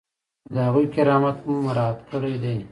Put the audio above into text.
چې د هغوی کرامت مو مراعات کړی دی.